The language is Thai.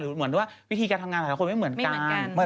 หรือเหมือนวิธีการทำงานหลายคนไม่เหมือนกัน